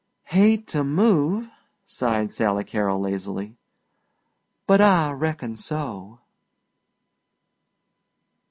"Hate to move," sighed Sally Carol lazily, "but I reckon so."